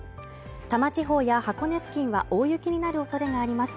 多摩地方や箱根付近は大雪になるおそれがあります